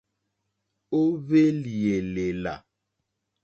Ó hwélì èlèlà.